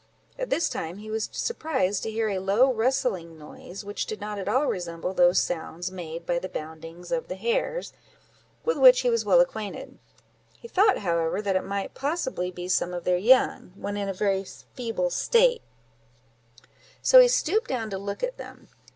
At this time he was surprised to hear a low rustling noise, which did not at all resemble those sounds made by the boundings of the hares, with which he was well acquainted; he thought, however, that it might possibly be some of their young, when in a very feeble state; so he stooped down to look at them.